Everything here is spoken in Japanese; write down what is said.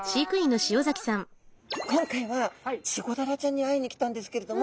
いや今回はチゴダラちゃんに会いに来たんですけれども。